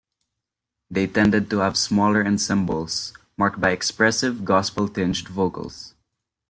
They tended to have smaller ensembles marked by expressive gospel-tinged vocals.